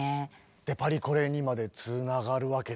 でパリコレにまでつながるわけですか？